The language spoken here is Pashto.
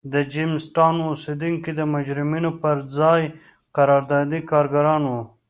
د جېمز ټاون اوسېدونکي د مجرمینو پر ځای قراردادي کارګران وو.